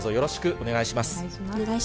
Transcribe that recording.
お願いします。